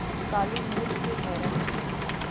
کالی مرچ کے حیرت